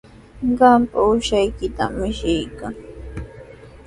Qampa uushaykitami michiykan.